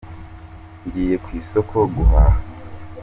njyiye kwisoko guhaha